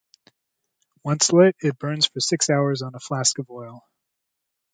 Once lit, it burns for six hours on a flask of oil.